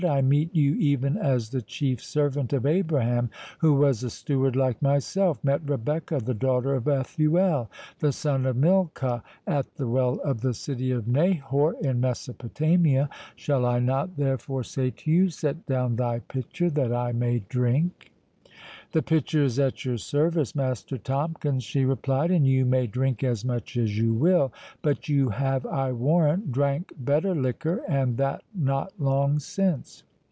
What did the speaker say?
"I meet you even as the chief servant of Abraham, who was a steward like myself, met Rebecca, the daughter of Bethuel, the son of Milcah, at the well of the city of Nahor, in Mesopotamia. Shall I not, therefore, say to you, set down thy pitcher that I may drink?" "The pitcher is at your service, Master Tomkins," she replied, "and you may drink as much as you will; but you have, I warrant, drank better liquor, and that not long since."